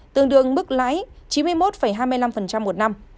tương đương mức lãi chín mươi một hai mươi năm một năm